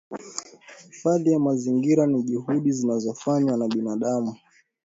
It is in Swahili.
Hifadhi ya mazingira ni juhudi zinazofanywa na binadamu